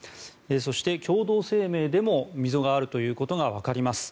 そして、共同声明でも溝があることが分かります。